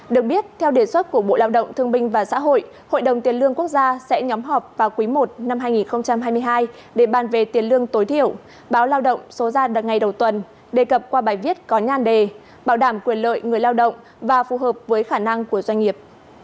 được biết theo đề xuất của bộ lao động thương binh và xã hội hội đồng tiền lương quốc gia sẽ nhóm họp vào quý i năm hai nghìn hai mươi hai để bàn về tiền lương tối thiểu báo lao động số ra đợt ngày đầu tuần đề cập qua bài viết có nhan đề bảo đảm quyền lợi người lao động và phù hợp với khả năng của doanh nghiệp